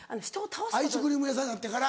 アイスクリーム屋さんになってから。